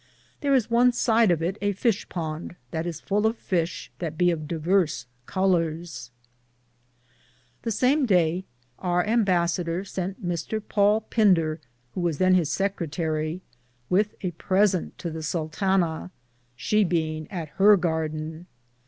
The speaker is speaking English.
Thare is one side of it a fishe ponde, that is full of fishe that be of divers collores. The same Daye, our Imbassader sente Mr. Paule Finder, who was then his secritarie, with a presente to the Sultana, she being at hir garthen.